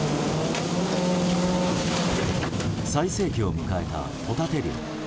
最盛期を迎えたホタテ漁。